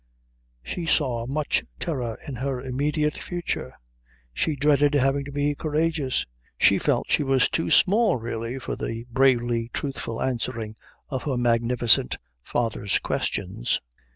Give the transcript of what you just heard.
She saw much terror in her immediate future. She dreaded having to be courageous. She felt she was too small really for the bravely truthful answering of her magnificent father's questions.